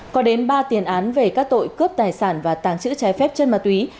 có đến ba tiền án về các tội cướp tài sản và tàng trữ trái phép chân ma túy